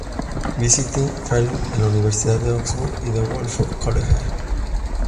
Visiting Fellow en la Universidad de Oxford y del Wolfson College.